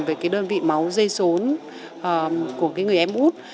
với cái đơn vị máu dây sốn của cái người em út